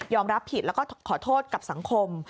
รับผิดแล้วก็ขอโทษกับสังคม